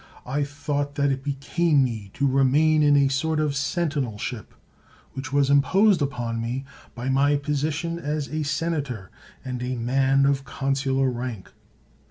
148 CICERO I thought that it became me to remain in a sort of sentinelship, which was imposed upon me by my position as a senator and a man of consular raiik.